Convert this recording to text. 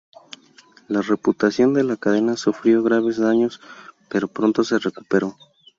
La reputación de la cadena sufrió graves daños, pero pronto se recuperó.